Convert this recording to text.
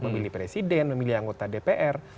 memilih presiden memilih anggota dpr